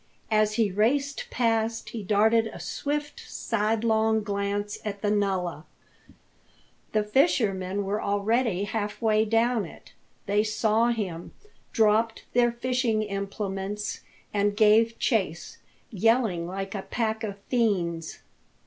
As he raced past he darted a swift sidelong glance at the nullah. The fishermen were already halfway down it. They saw him, dropped their fishing implements, and gave chase, yelling like a pack of fiends.